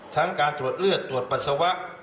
การตรวจเลือดตรวจปัสสาวะ